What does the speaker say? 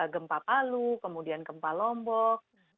gempa palu kemudian gempa lombok